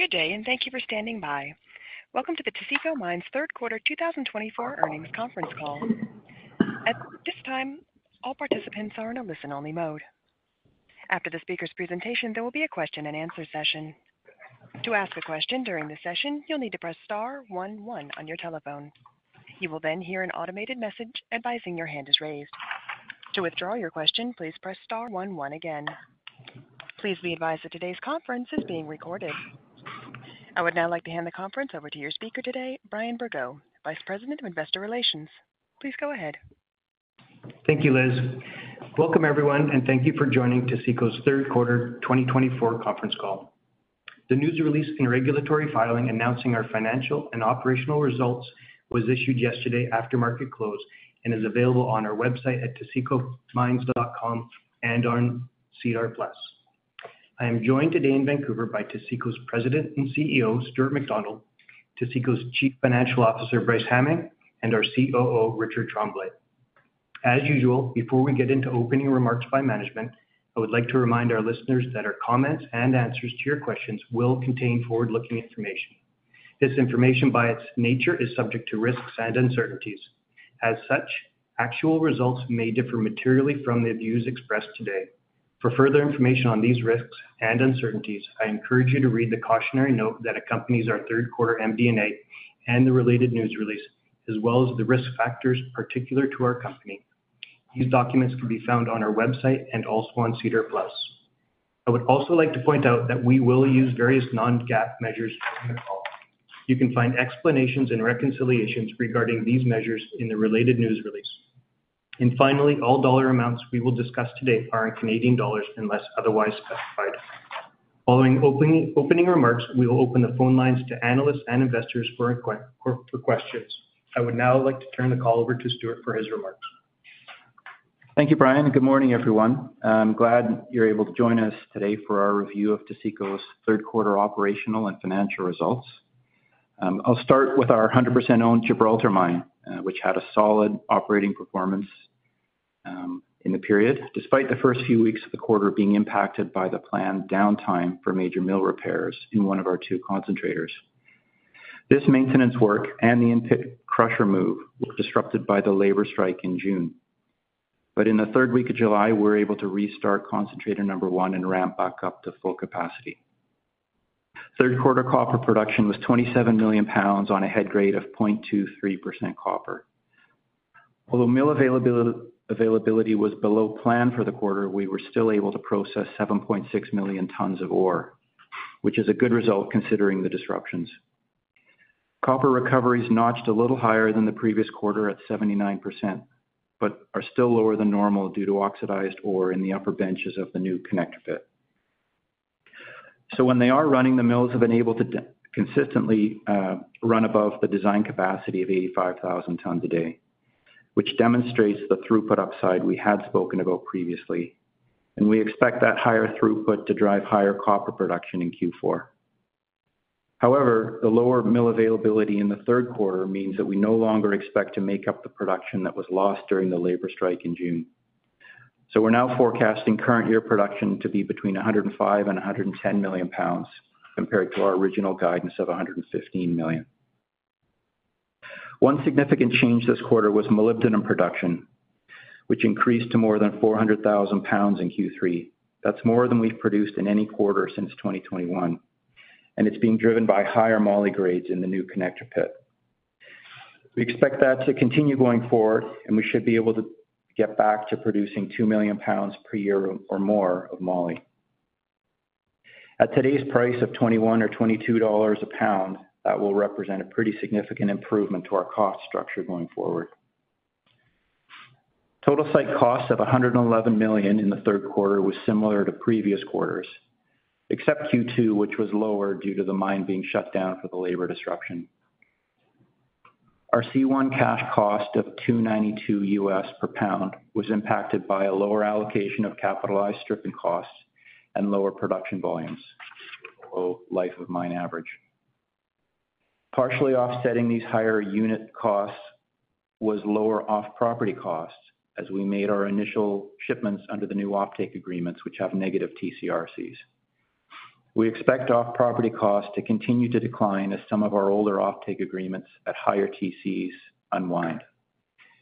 Good day, and thank you for standing by. Welcome to the Taseko Mines' third quarter 2024 earnings conference call. At this time, all participants are in a listen-only mode. After the speaker's presentation, there will be a question-and-answer session. To ask a question during the session, you'll need to press star one one on your telephone. You will then hear an automated message advising your hand is raised. To withdraw your question, please press star one one again. Please be advised that today's conference is being recorded. I would now like to hand the conference over to your speaker today, Brian Bergot, Vice President of Investor Relations. Please go ahead. Thank you, Liz. Welcome, everyone, and thank you for joining Taseko's third quarter 2024 conference call. The news release and regulatory filing announcing our financial and operational results was issued yesterday after market close and is available on our website at tasekomines.com and on SEDAR+. I am joined today in Vancouver by Taseko's President and CEO, Stuart McDonald, Taseko's Chief Financial Officer, Bryce Hamming, and our COO, Richard Tremblay. As usual, before we get into opening remarks by management, I would like to remind our listeners that our comments and answers to your questions will contain forward-looking information. This information, by its nature, is subject to risks and uncertainties. As such, actual results may differ materially from the views expressed today. For further information on these risks and uncertainties, I encourage you to read the cautionary note that accompanies our third quarter MD&A and the related news release, as well as the risk factors particular to our company. These documents can be found on our website and also on SEDAR+. I would also like to point out that we will use various non-GAAP measures during the call. You can find explanations and reconciliations regarding these measures in the related news release. And finally, all dollar amounts we will discuss today are in Canadian dollars unless otherwise specified. Following opening remarks, we will open the phone lines to analysts and investors for questions. I would now like to turn the call over to Stuart for his remarks. Thank you, Brian. Good morning, everyone. I'm glad you're able to join us today for our review of Taseko's third quarter operational and financial results. I'll start with our 100% owned Gibraltar Mine, which had a solid operating performance in the period, despite the first few weeks of the quarter being impacted by the planned downtime for major mill repairs in one of our two concentrators. This maintenance work and the in-pit crusher move were disrupted by the labor strike in June. But in the third week of July, we were able to restart concentrator number one and ramp back up to full capacity. Third quarter copper production was 27 million pounds on a head grade of 0.23% copper. Although mill availability was below plan for the quarter, we were still able to process 7.6 million tons of ore, which is a good result considering the disruptions. Copper recoveries notched a little higher than the previous quarter at 79%, but are still lower than normal due to oxidized ore in the upper benches of the new Connector Pit. So when they are running, the mills have been able to consistently run above the design capacity of 85,000 tons a day, which demonstrates the throughput upside we had spoken about previously, and we expect that higher throughput to drive higher copper production in Q4. However, the lower mill availability in the third quarter means that we no longer expect to make up the production that was lost during the labor strike in June, so we're now forecasting current year production to be between 105 and 110 million pounds compared to our original guidance of 115 million. One significant change this quarter was molybdenum production, which increased to more than 400,000 pounds in Q3. That's more than we've produced in any quarter since 2021. And it's being driven by higher moly grades in the new Connector Pit. We expect that to continue going forward, and we should be able to get back to producing 2 million pounds per year or more of moly. At today's price of $21-$22 a pound, that will represent a pretty significant improvement to our cost structure going forward. Total site cost of $111 million in the third quarter was similar to previous quarters, except Q2, which was lower due to the mine being shut down for the labor disruption. Our C1 cash cost of $2.92 per pound was impacted by a lower allocation of capitalized stripping costs and lower production volumes, lower life of mine average. Partially offsetting these higher unit costs was lower off-property costs as we made our initial shipments under the new offtake agreements, which have negative TCRCs. We expect off-property costs to continue to decline as some of our older offtake agreements at higher TCs unwind,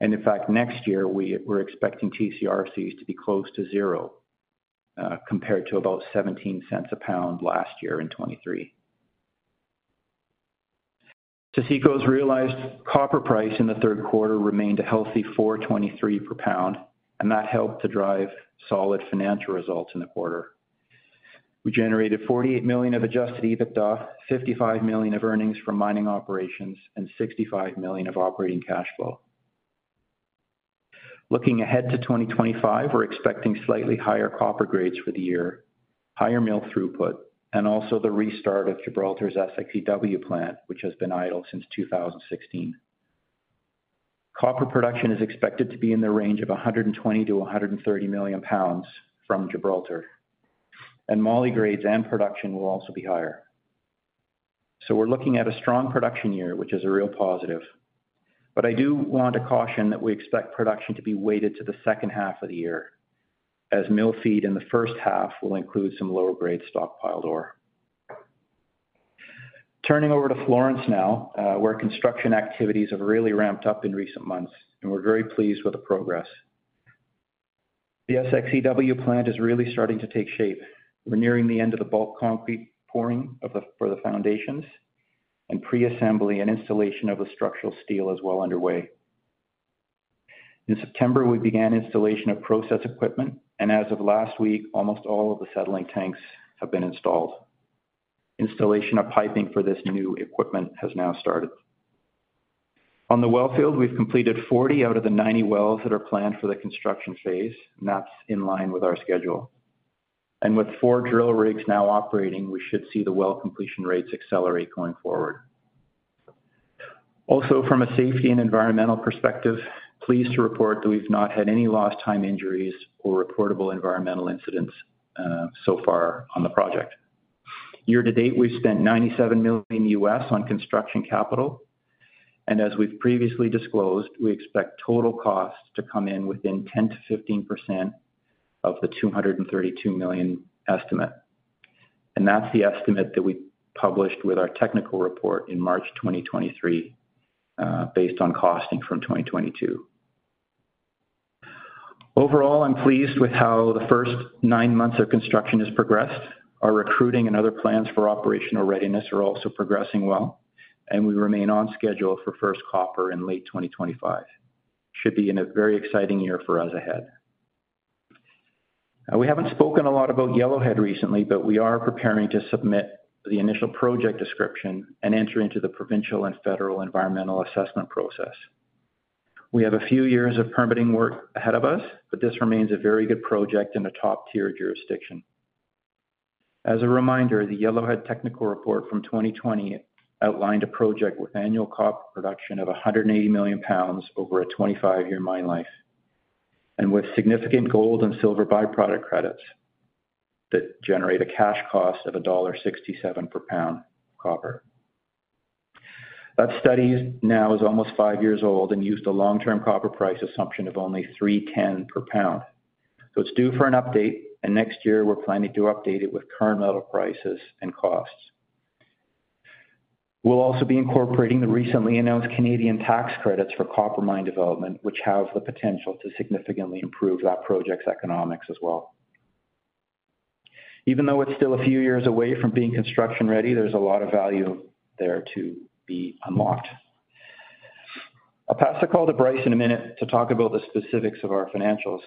and in fact, next year, we're expecting TCRCs to be close to zero compared to about $0.17 per pound last year in 2023. Taseko's realized copper price in the third quarter remained a healthy $4.23 per pound, and that helped to drive solid financial results in the quarter. We generated $48 million of adjusted EBITDA, $55 million of earnings from mining operations, and $65 million of operating cash flow. Looking ahead to 2025, we're expecting slightly higher copper grades for the year, higher mill throughput, and also the restart of Gibraltar's SX/EW plant, which has been idle since 2016. Copper production is expected to be in the range of 120 million pounds-130 million pounds from Gibraltar, and moly grades and production will also be higher, so we're looking at a strong production year, which is a real positive, but I do want to caution that we expect production to be weighted to the second half of the year, as mill feed in the first half will include some lower-grade stockpiled ore. Turning over to Florence now, where construction activities have really ramped up in recent months, and we're very pleased with the progress. The SX/EW plant is really starting to take shape. We're nearing the end of the bulk concrete pouring for the foundations, and pre-assembly and installation of the structural steel is well underway. In September, we began installation of process equipment, and as of last week, almost all of the settling tanks have been installed. Installation of piping for this new equipment has now started. On the well field, we've completed 40 out of the 90 wells that are planned for the construction phase, and that's in line with our schedule. And with four drill rigs now operating, we should see the well completion rates accelerate going forward. Also, from a safety and environmental perspective, pleased to report that we've not had any lost-time injuries or reportable environmental incidents so far on the project. Year to date, we've spent $97 million on construction capital. And as we've previously disclosed, we expect total costs to come in within 10%-15% of the $232 million estimate. And that's the estimate that we published with our technical report in March 2023, based on costing from 2022. Overall, I'm pleased with how the first nine months of construction has progressed. Our recruiting and other plans for operational readiness are also progressing well, and we remain on schedule for first copper in late 2025. Should be in a very exciting year for us ahead. We haven't spoken a lot about Yellowhead recently, but we are preparing to submit the initial project description and enter into the provincial and federal environmental assessment process. We have a few years of permitting work ahead of us, but this remains a very good project in a top-tier jurisdiction. As a reminder, the Yellowhead technical report from 2020 outlined a project with annual copper production of 180 million pounds over a 25-year mine life, and with significant gold and silver byproduct credits that generate a cash cost of $1.67 per pound copper. That study now is almost five years old and used a long-term copper price assumption of only $3.10 per pound. So it's due for an update, and next year, we're planning to update it with current metal prices and costs. We'll also be incorporating the recently announced Canadian tax credits for copper mine development, which have the potential to significantly improve that project's economics as well. Even though it's still a few years away from being construction ready, there's a lot of value there to be unlocked. I'll pass the call to Bryce in a minute to talk about the specifics of our financials,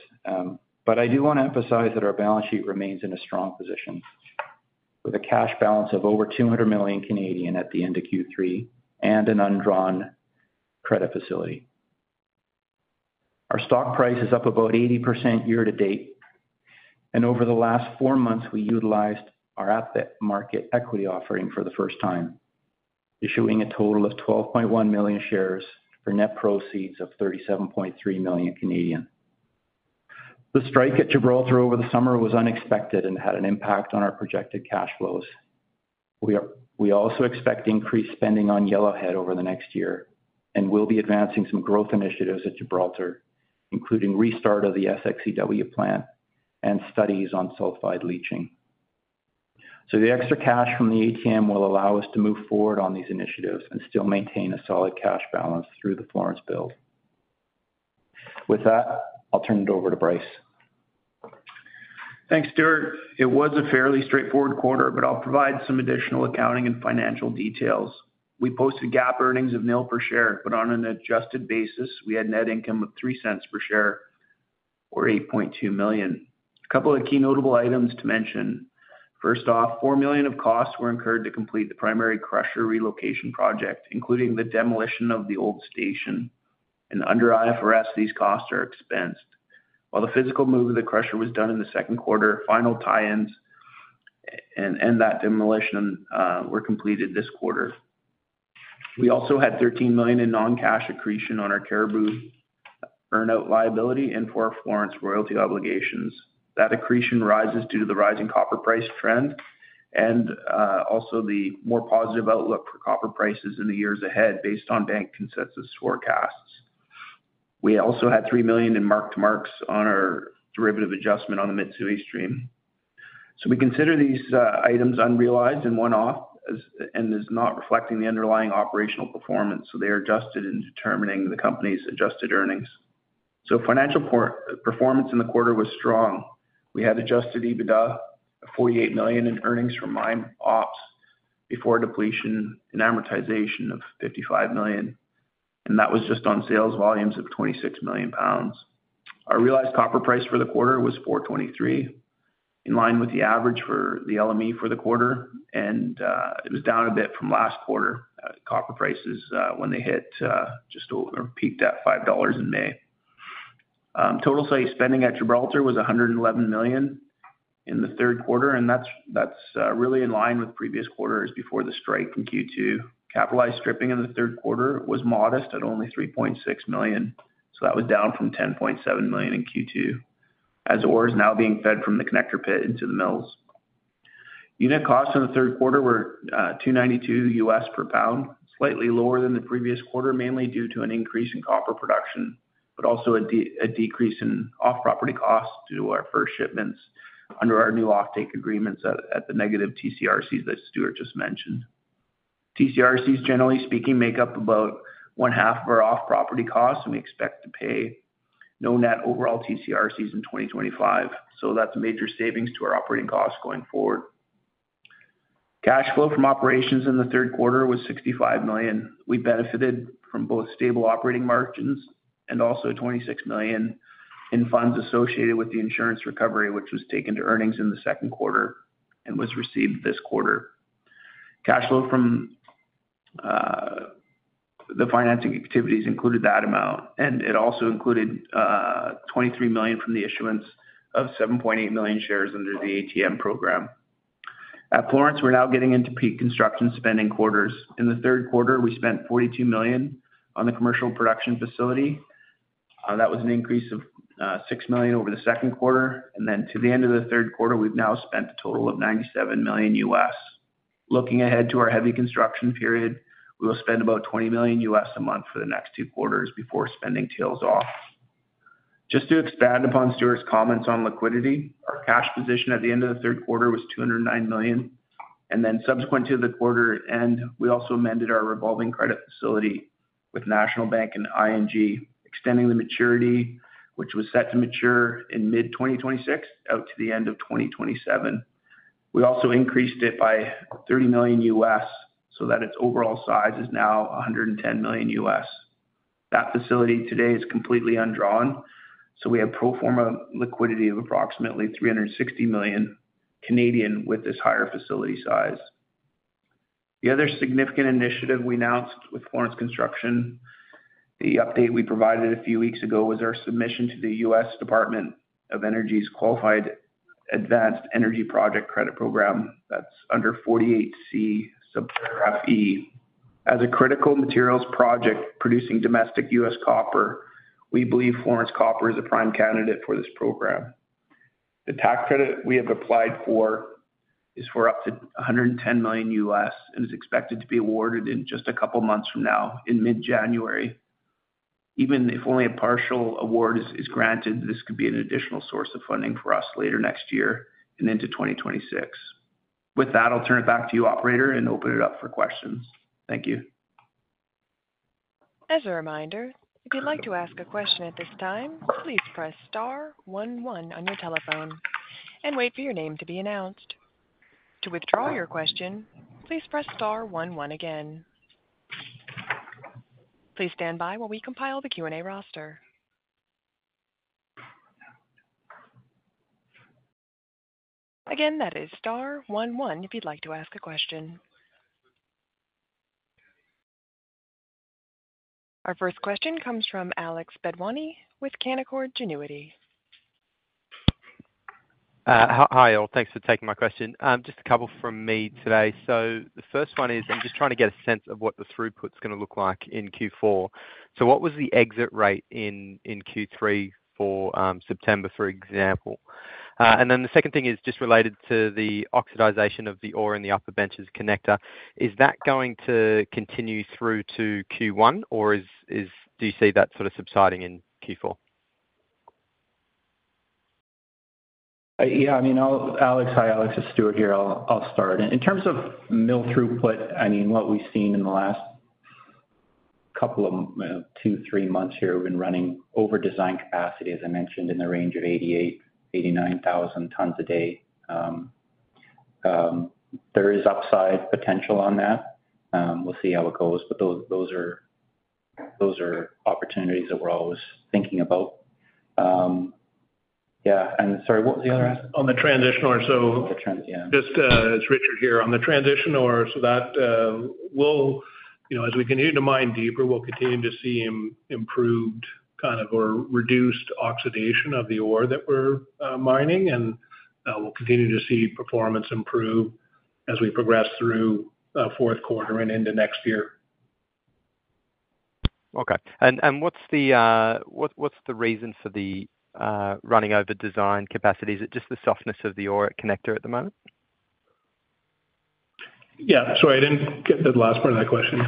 but I do want to emphasize that our balance sheet remains in a strong position, with a cash balance of over 200 million at the end of Q3 and an undrawn credit facility. Our stock price is up about 80% year to date, and over the last four months, we utilized our at-market equity offering for the first time, issuing a total of 12.1 million shares for net proceeds of 37.3 million. The strike at Gibraltar over the summer was unexpected and had an impact on our projected cash flows. We also expect increased spending on Yellowhead over the next year and will be advancing some growth initiatives at Gibraltar, including restart of the SX/EW plant and studies on sulfide leaching. So the extra cash from the ATM will allow us to move forward on these initiatives and still maintain a solid cash balance through the Florence build. With that, I'll turn it over to Bryce. Thanks, Stuart. It was a fairly straightforward quarter, but I'll provide some additional accounting and financial details. We posted GAAP earnings of $0.01 per share, but on an adjusted basis, we had net income of $0.03 per share or $8.2 million. A couple of key notable items to mention. First off, $4 million of costs were incurred to complete the primary crusher relocation project, including the demolition of the old station. Under IFRS, these costs are expensed. While the physical move of the crusher was done in the second quarter, final tie-ins and that demolition were completed this quarter. We also had $13 million in non-cash accretion on our Cariboo earn-out liability and for our Florence royalty obligations. That accretion rises due to the rising copper price trend and also the more positive outlook for copper prices in the years ahead based on bank consensus forecasts. We also had $3 million in mark-to-market on our derivative adjustment on the Mitsui stream. We consider these items unrealized and one-off and is not reflecting the underlying operational performance. They are adjusted in determining the company's adjusted earnings. Financial performance in the quarter was strong. We had adjusted EBITDA of $48 million in earnings from mine ops before depletion and amortization of $55 million. That was just on sales volumes of 26 million pounds. Our realized copper price for the quarter was $4.23, in line with the average for the LME for the quarter, and it was down a bit from last quarter. Copper prices when they hit just peaked at $5 in May. Total spending at Gibraltar was $111 million in the third quarter, and that's really in line with previous quarters before the strike in Q2. Capitalized stripping in the third quarter was modest at only $3.6 million, so that was down from $10.7 million in Q2, as ore is now being fed from the Connector Pit into the mills. Unit costs in the third quarter were $2.92 per pound, slightly lower than the previous quarter, mainly due to an increase in copper production, but also a decrease in off-property costs due to our first shipments under our new offtake agreements at the negative TCRCs that Stuart just mentioned. TCRCs, generally speaking, make up about one-half of our off-property costs, and we expect to pay no net overall TCRCs in 2025, so that's major savings to our operating costs going forward. Cash flow from operations in the third quarter was $65 million. We benefited from both stable operating margins and also $26 million in funds associated with the insurance recovery, which was taken to earnings in the second quarter and was received this quarter. Cash flow from the financing activities included that amount, and it also included $23 million from the issuance of 7.8 million shares under the ATM program. At Florence, we're now getting into peak construction spending quarters. In the third quarter, we spent $42 million on the commercial production facility. That was an increase of $6 million over the second quarter, and then to the end of the third quarter, we've now spent a total of $97 million. Looking ahead to our heavy construction period, we will spend about $20 million a month for the next two quarters before spending tails off. Just to expand upon Stuart's comments on liquidity, our cash position at the end of the third quarter was 209 million. And then subsequent to the quarter end, we also amended our revolving credit facility with National Bank and ING, extending the maturity, which was set to mature in mid-2026 out to the end of 2027. We also increased it by $30 million so that its overall size is now $110 million. That facility today is completely undrawn. So we have pro forma liquidity of approximately 360 million with this higher facility size. The other significant initiative we announced with Florence Copper, the update we provided a few weeks ago, was our submission to the US Department of Energy's Qualified Advanced Energy Project Credit Program. That's under 48C subparagraph E. As a critical materials project producing domestic U.S. copper, we believe Florence Copper is a prime candidate for this program. The tax credit we have applied for is for up to $110 million and is expected to be awarded in just a couple of months from now in mid-January. Even if only a partial award is granted, this could be an additional source of funding for us later next year and into 2026. With that, I'll turn it back to you, operator, and open it up for questions. Thank you. As a reminder, if you'd like to ask a question at this time, please press star one one on your telephone and wait for your name to be announced. To withdraw your question, please press star one one again. Please stand by while we compile the Q&A roster. Again, that is star one one if you'd like to ask a question. Our first question comes from Alex Bedwany with Canaccord Genuity. Hi, all. Thanks for taking my question. Just a couple from me today. So the first one is I'm just trying to get a sense of what the throughput's going to look like in Q4. So what was the exit rate in Q3 for September, for example? And then the second thing is just related to the oxidation of the ore in the upper benches Connector. Is that going to continue through to Q1, or do you see that sort of subsiding in Q4? Yeah. I mean, Alex, hi, Alex, it's Stuart here. I'll start. In terms of mill throughput, I mean, what we've seen in the last couple of two, three months here, we've been running over design capacity, as I mentioned, in the range of 88,000 tons-89,000 tons a day. There is upside potential on that. We'll see how it goes, but those are opportunities that we're always thinking about. Yeah. And sorry, what was the other ask? On the transition ore? On the transition, yeah. It's Richard here. On the transition ore, so that will, as we continue to mine deeper, we'll continue to see improved kind of or reduced oxidation of the ore that we're mining, and we'll continue to see performance improve as we progress through fourth quarter and into next year. Okay. And what's the reason for the running over design capacity? Is it just the softness of the ore at Connector at the moment? Yeah. Sorry, I didn't get the last part of that question.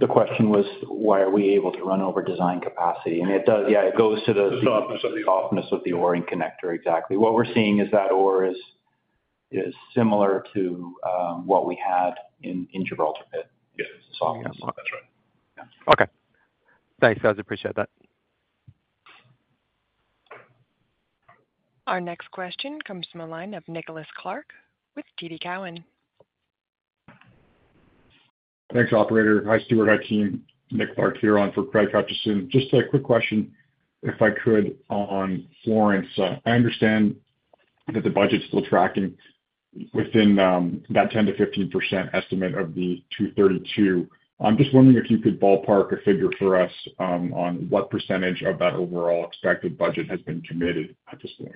The question was, why are we able to run over design capacity? And it does, yeah, it goes to the. The softness of the. Softness of the ore in Connector, exactly. What we're seeing is that ore is similar to what we had in Gibraltar Pit. It's the softness. Yeah. That's right. Okay. Thanks. I appreciate that. Our next question comes from a line of Nicholas Clark with TD Cowen. Thanks, operator. Hi, Stuart. Hi, team. Nick Clark here on for Craig Hutchison. Just a quick question, if I could, on Florence. I understand that the budget's still tracking within that 10%-15% estimate of the 232. I'm just wondering if you could ballpark a figure for us on what percentage of that overall expected budget has been committed at this point.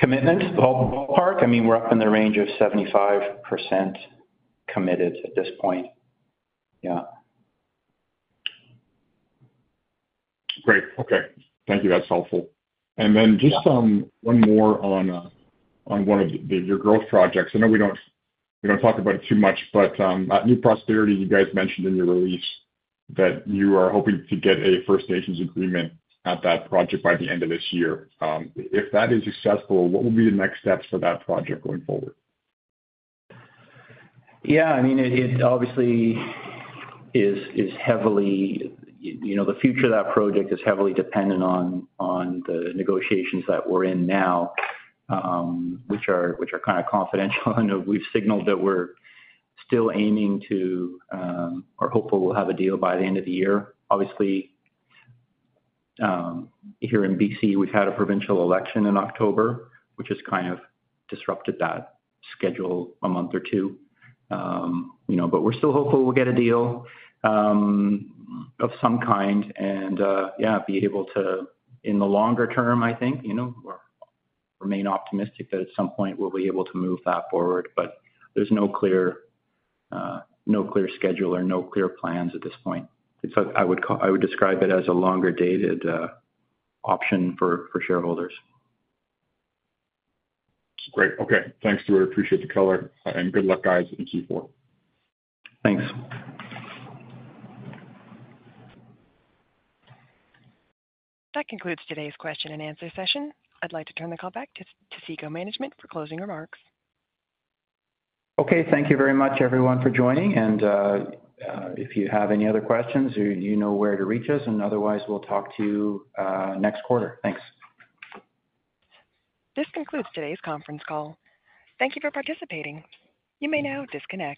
Commitment, ballpark? I mean, we're up in the range of 75% committed at this point. Yeah. Great. Okay. Thank you. That's helpful. And then just one more on one of your growth projects. I know we don't talk about it too much, but at New Prosperity, you guys mentioned in your release that you are hoping to get a First Nations agreement at that project by the end of this year. If that is successful, what will be the next steps for that project going forward? Yeah. I mean, it obviously is heavily the future of that project is heavily dependent on the negotiations that we're in now, which are kind of confidential. And we've signaled that we're still aiming to or hopeful we'll have a deal by the end of the year. Obviously, here in BC, we've had a provincial election in October, which has kind of disrupted that schedule a month or two. But we're still hopeful we'll get a deal of some kind and, yeah, be able to, in the longer term, I think, remain optimistic that at some point we'll be able to move that forward. But there's no clear schedule or no clear plans at this point. I would describe it as a longer-dated option for shareholders. Great. Okay. Thanks, Stuart. Appreciate the color. And good luck, guys, in Q4. Thanks. That concludes today's question and answer session. I'd like to turn the call back to Stuart McDonald for closing remarks. Okay. Thank you very much, everyone, for joining. And if you have any other questions, you know where to reach us. And otherwise, we'll talk to you next quarter. Thanks. This concludes today's conference call. Thank you for participating. You may now disconnect.